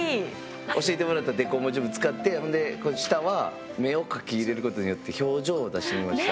教えてもらったデコ文字も使ってほんで下は目を描き入れることによって表情を出してみました。